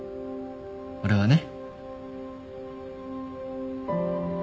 俺はね。